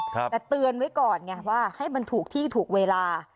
แต่เตือนไว้ก่อนไงว่าให้มันถูกที่ถูกเวลา